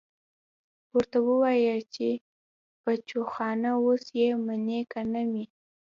ورته ووايه چې بچوخانه اوس يې منې که نه منې.